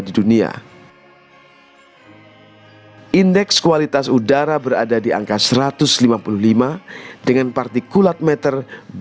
indeks kualitas udara berada di angka satu ratus lima puluh lima dengan partikulat meter dua lima